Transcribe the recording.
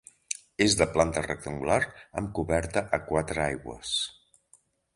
És de planta rectangular amb coberta a quatre aigües.